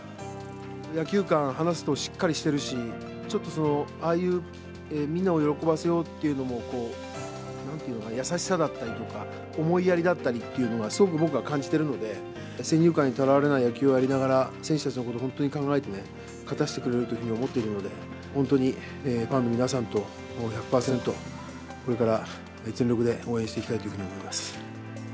野球観を話すとしっかりしてるし、ちょっと、ああいうみんなを喜ばせようっていうのも、なんていうか、優しさだったりとか、僕は思いやりだったりっていうのが、すごく僕は感じているので、先入観にとらわれない野球をやりながら、選手たちのことを本当に考えてね、勝たせてくれるというふうに思っているので、本当にファンの皆さんと１００％、これから全力で応援していきたいというふうに思います。